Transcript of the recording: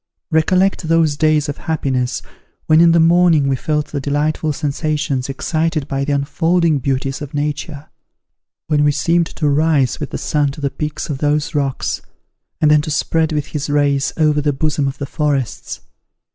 recollect those days of happiness, when in the morning we felt the delightful sensations excited by the unfolding beauties of nature; when we seemed to rise with the sun to the peaks of those rocks, and then to spread with his rays over the bosom of the forests.